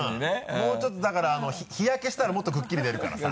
もうちょっとだから日焼けしたらもっとくっきり出るからさ。